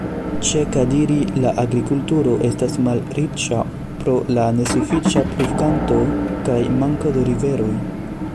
Ĉe Kadiri la agrikulturo estas malriĉa pro la nesufiĉa pluvokanto kaj manko de riveroj.